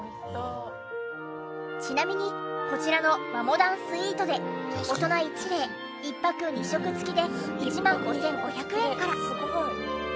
ちなみにこちらの和モダンスイートで大人１名１泊２食付きで１万５５００円から。